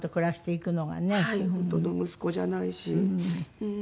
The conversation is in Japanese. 本当の息子じゃないし。